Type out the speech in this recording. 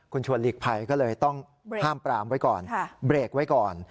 คุณชวนลิกไผก็เลยต้องห้ามปรามไว้ก่อน